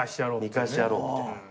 見返してやろうみたいな。